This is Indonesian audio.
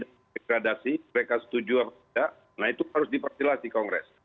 dengan satu iddan degradasi mereka setujuan jataro dipakailah di kongres